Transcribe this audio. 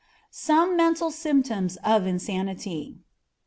_Some Mental Symptoms of Insanity.